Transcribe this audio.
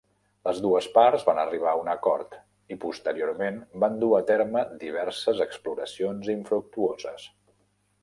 Les dues parts van arribar a un acord i, posteriorment, van dur a terme diverses exploracions infructuoses.